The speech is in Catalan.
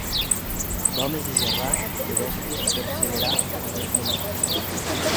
D'homes és errar, de bèsties perseverar o no esmenar.